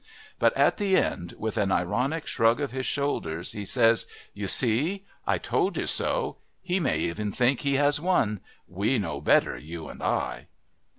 But at the end, with an ironic shrug of his shoulders, he says: "You see. I told you so. He may even think he has won. We know better, you and I."